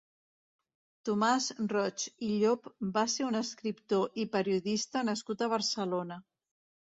Tomàs Roig i Llop va ser un escriptor i periodista nascut a Barcelona.